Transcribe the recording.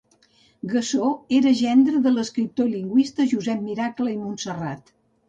Gassó era gendre de l'escriptor i lingüista Josep Miracle i Montserrat.